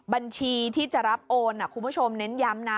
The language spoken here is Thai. บัญชีที่จะรับโอนคุณผู้ชมเน้นย้ำนะ